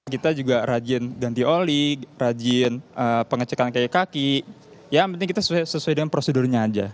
kita juga rajin ganti oli rajin pengecekan kayak kaki yang penting kita sesuai dengan prosedurnya aja